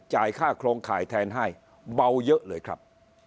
ค่าโครงข่ายแทนให้เบาเยอะเลยครับ